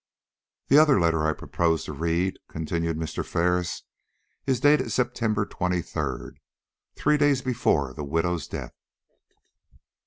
"The other letter I propose to read," continued Mr. Ferris, "is dated September 23d, three days before the widow's death.